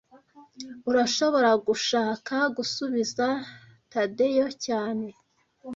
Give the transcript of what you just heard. Urashobora gushaka gusubiza Tadeyo cyane